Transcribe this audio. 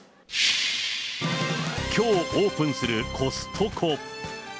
きょうオープンするコストコ。